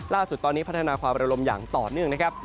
ล่าสุดตอนนี้พัฒนาความระลมอย่างต่อเนื่องนะครับ